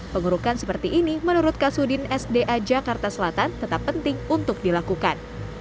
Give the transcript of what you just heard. pengurukan seperti ini menurut kasudin sda jakarta selatan tetap penting untuk dilakukan